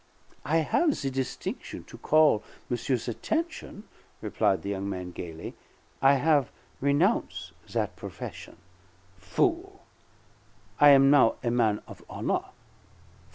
"I have the distinction to call monsieur's attention," replied the young man gayly, "I have renounce that profession." "Fool!" "I am now a man of honor!"